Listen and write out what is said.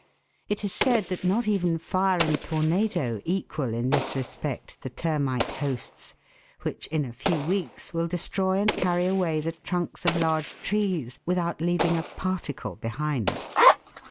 It is said that not even fire and tornado equal in this respect the termite hosts, which in a few weeks will destroy and carry away the trunks of large trees without leaving a particle behind.